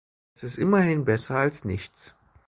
Das ist immerhin besser als nichts.